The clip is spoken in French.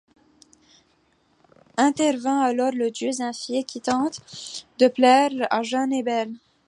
Intervint alors le dieu Zéphyr qui tente de plaire à Jeune et Belle.